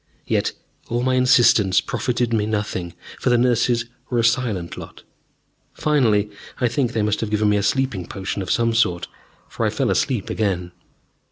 Yet all my insistence profited me nothing, for the nurses were a silent lot. Finally, I think, they must have given me a sleeping potion of some sort, for I fell asleep again.